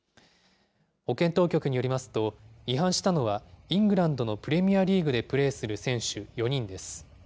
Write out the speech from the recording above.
保健当局によりますと、違反したのはイングランドのプレミアリーグでプレーする選手４人です。